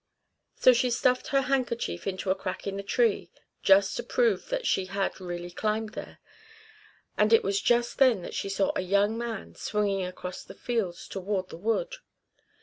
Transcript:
So she stuffed her handkerchief into a crack in the tree just to prove that she had really climbed there; and it was just then that she saw a young man swinging across the fields toward the wood.